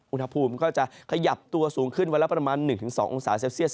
อุณหภูมิก็จะขยับตัวสูงขึ้นวันละประมาณ๑๒องศาเซลเซียส